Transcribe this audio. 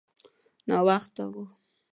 ناوخته و.